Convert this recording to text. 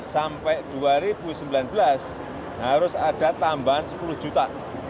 sampai dua ribu sembilan belas harus ada tambahan sepuluh juta